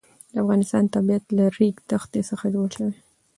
د افغانستان طبیعت له د ریګ دښتې څخه جوړ شوی دی.